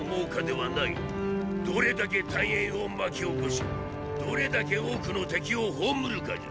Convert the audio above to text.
どれだけ大炎を巻き起こしどれだけ多くの敵を葬るかじゃ。